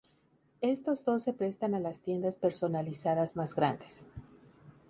Estos dos se prestan a tiendas personalizadas más grandes.